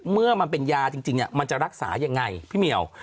เมื่อมันเป็นยาจริงมันจะรักษายังไงพี่เหมียว